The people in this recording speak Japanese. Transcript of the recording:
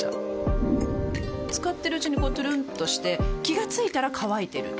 使ってるうちにこうトゥルンとして気が付いたら乾いてる